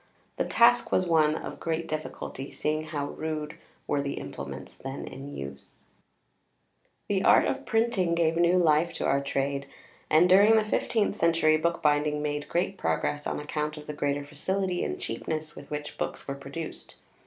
The task was one of great difficulty, seeing how rude were the implements then in use. [Illustration: Monastic.] [Illustration: Venetian.] The art of printing gave new life to our trade, and, during the fifteenth century bookbinding made great progress on account of the greater facility and cheapness with which books were produced.